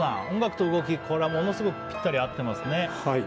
音楽と動き、これはものすごくぴったり合っていますね。